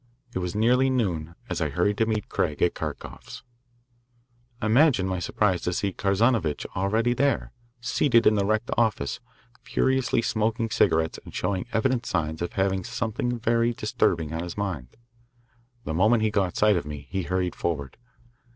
It was nearly noon as I hurried to meet Craig at Kharkoff's. Imagine my surprise to see Kazanovitch already there, seated in the wrecked office, furiously smoking cigarettes and showing evident signs of having something very disturbing on his mind. The moment he caught sight of me, he hurried forward.